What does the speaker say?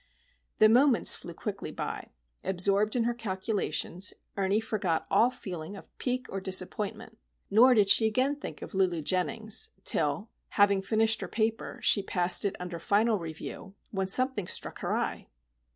The moments flew quickly by. Absorbed in her calculations, Ernie forgot all feeling of pique or disappointment; nor did she again think of Lulu Jennings till, having finished her paper, she passed it under final review, when something struck her eye!